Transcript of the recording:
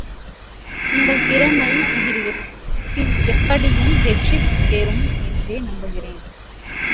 உங்கள் திறமை இதில் எப்படியும் வெற்றி பெறும் என்றே நம்புகிறேன்.